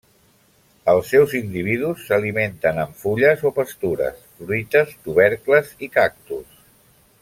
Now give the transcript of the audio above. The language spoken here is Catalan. Els seus individus s'alimenten amb fulles o pastures, fruites, tubercles i cactus.